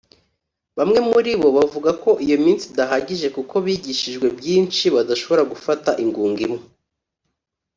Bamwe muri bo bavuga ko iyo minsi idahagije kuko bigishijwe byinshi badashobora gufata ingunga imwe